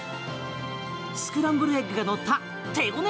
スクランブルエッグが乗った手ごね